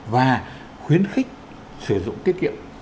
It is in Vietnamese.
và khuyến khích sử dụng tiết kiệm